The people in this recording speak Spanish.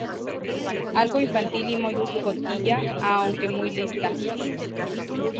Algo infantil y muy cotilla, aunque muy lista.